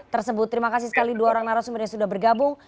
terima kasih sekali dua orang narasumber yang sudah bergabung